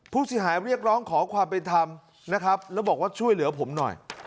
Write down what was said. ผู้เสียหายเรียกร้องขอความเป็นธรรมนะครับแล้วบอกว่าช่วยเหลือผมหน่อย